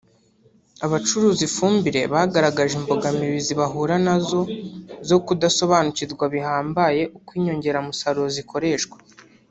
Abacuruza ifumbire bagaragaje imbogamizi bahura na zo zo kudasobanukirwa bihambaye uko inyongeramusaruro zikoreshwa